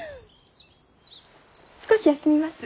少し休みます。